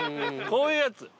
こういうやつ。